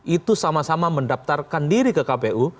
itu sama sama mendaftarkan diri ke kpu